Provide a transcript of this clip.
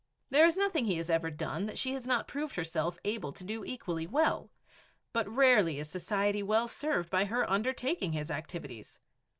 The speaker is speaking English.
There is nothing he has ever done that she has not proved herself able to do equally well. But rarely is society well served by her undertaking his activities.